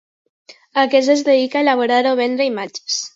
Aquest es dedica a elaborar o vendre imatges.